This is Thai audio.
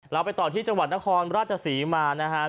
เราไปต่อที่จังหวัดนครราชสีมานะฮะ